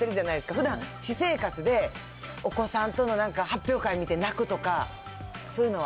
ふだん、私生活でお子さんとのなんか、発表会見て泣くとか、そういうのは。